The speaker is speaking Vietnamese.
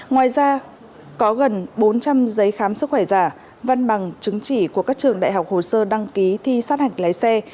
ngoài ra có gần bốn trăm linh giấy khám sức khỏe giả văn bằng chứng chỉ của các trường đại học hồ sơ đăng ký thi sát hạch lái xe